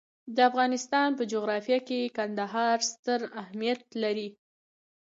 د افغانستان په جغرافیه کې کندهار ستر اهمیت لري.